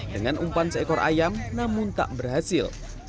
dengan umpan seekor ayam namun tak berhasil